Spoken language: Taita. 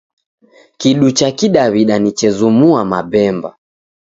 Kidu cha kidaw'ida ni chezumua mabemba.